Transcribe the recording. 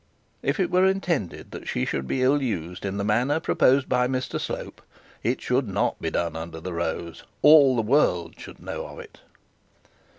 If it were intended that she should be ill used in the manner proposed by Mr Slope, it should not be done under the rose. All the world would know of it.